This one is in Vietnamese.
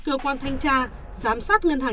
cơ quan thanh tra giám sát ngân hàng